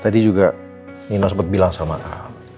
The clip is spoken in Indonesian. tadi juga nino sempet bilang sama al